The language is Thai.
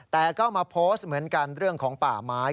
แต่ก็มาโพสต์เหมือนกันเรื่องของป่าไม้